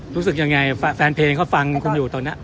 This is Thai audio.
รู้สึกยังไงแฟนเพลงเขาฟังคุณอยู่ตอนนี้